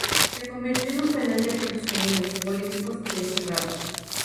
Se convirtió en un penal de presos comunes, políticos y desterrados.